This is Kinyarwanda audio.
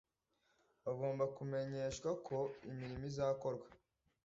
bagomba kumenyeshwa uko imirimo izakorwa